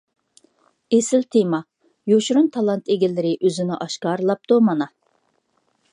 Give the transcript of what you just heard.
ئېسىل تېما! يوشۇرۇن تالانت ئىگىلىرى ئۆزىنى ئاشكارىلاپتۇ مانا.